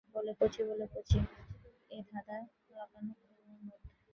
বলে, কচি বলে কচি, এ যে ধাঁধালাগানো কুমুদ!